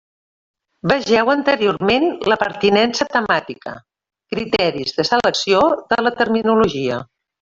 Vegeu anteriorment La pertinència temàtica: criteris de selecció de la terminologia.